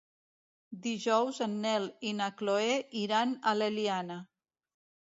Dijous en Nel i na Chloé iran a l'Eliana.